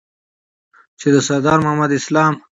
چې د سردار محمد اسلام